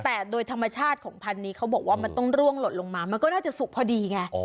แต่โดยธรรมชาติของพันธุ์นี้เขาบอกว่ามันต้องร่วงหล่นลงมามันก็น่าจะสุกพอดีไง